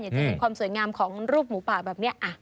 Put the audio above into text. จะเห็นความสวยงามของรูปหมูป่าแบบนี้